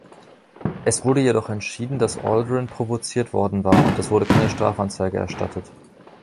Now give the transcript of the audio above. Es wurde jedoch entschieden, dass Aldrin provoziert worden war, und es wurde keine Strafanzeige erstattet.